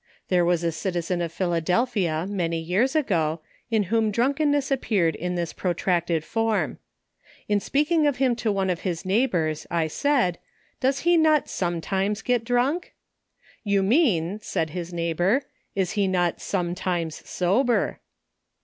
There was a citizen of Philadelphia many years ago, in whom drunkenness appeared in this protracted form. In speaking of him to one of his neigh bours, I said, « does he not sometimes get drunk ?"" You mean," said his neighbour, " is he not sometimes sober."